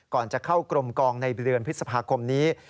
ก่อนจะเข้ากรมกองในเดือนพฤษภาคมนี้